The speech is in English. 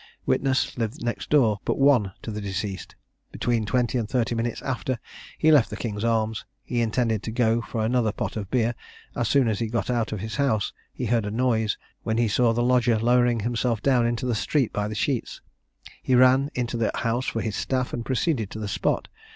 Witness lived next door but one to the deceased. Between twenty and thirty minutes after he left the King's Arms, he intended to go for another pot of beer; as soon as he got out of his house he heard a noise, when he saw the lodger lowering himself down into the street by the sheets. He ran into the house for his staff, and proceeded to the spot.